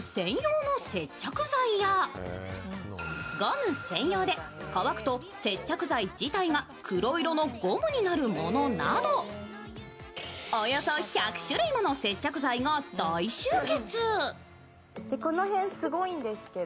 ゴム専用で、乾くと接着剤自体が黒色のゴムになるものなどおよそ１００種類もの接着剤が大集結。